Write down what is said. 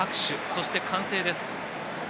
そして、歓声です。